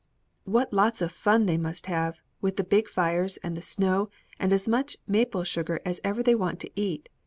"What lots of fun they must have, with the big fires and the snow and as much maple sugar as ever they want to eat!